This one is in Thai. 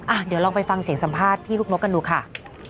อ่ะเดี๋ยวลองไปฟังเสียงสัมภาษณ์พี่ลูกนกกันดูค่ะ